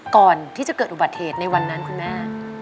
ก่อนที่จะเกิดอุบัติเหตุในวันนั้นคุณแม่